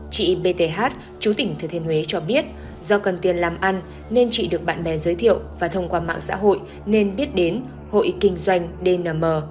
chị bth chú tỉnh thừa thiên huế cho biết do cần tiền làm ăn nên chị được bạn bè giới thiệu và thông qua mạng xã hội nên biết đến hội kinh doanh dmm